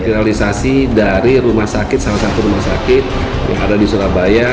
finalisasi dari rumah sakit salah satu rumah sakit yang ada di surabaya